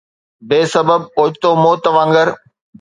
بي سبب اوچتو موت وانگر